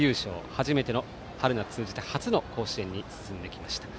初めての春夏通じて初の甲子園に進んできました。